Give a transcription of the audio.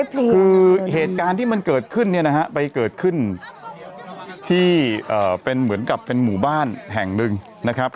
คือเหตุการณ์ที่มันเกิดขึ้นเนี่ยนะฮะไปเกิดขึ้นที่เป็นเหมือนกับเป็นหมู่บ้านแห่งหนึ่งนะครับ